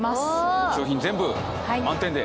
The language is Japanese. ６商品全部満点で。